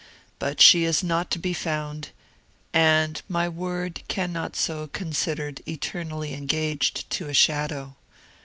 But she is not to be found, and my word cannot be considered eternally engaged to a shadow.